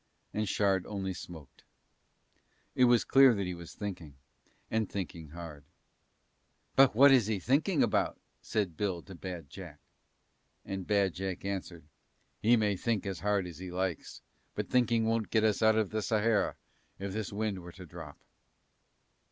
And Shard only smoked. It was clear that he was thinking, and thinking hard. "But what is he thinking about?" said Bill to Bad Jack. And Bad Jack answered: "He may think as hard as he likes but thinking won't get us out of the Sahara if this wind were to drop."